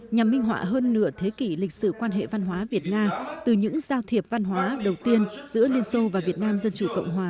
nhằm minh họa hơn nửa thế kỷ lịch sử quan hệ văn hóa việt nga từ những giao thiệp văn hóa đầu tiên giữa liên xô và việt nam dân chủ cộng hòa